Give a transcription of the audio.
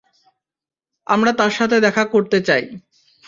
আমরা তার সাথে দেখা করতে চাই।